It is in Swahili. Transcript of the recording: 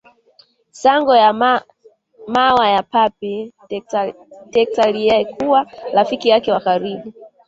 Sango ya mawa ya Papy Texaliyekuwa rafiki yake wa karibu